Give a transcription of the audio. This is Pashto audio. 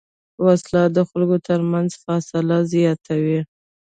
وسله د خلکو تر منځ فاصله زیاتوي